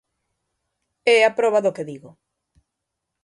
É a proba do que digo.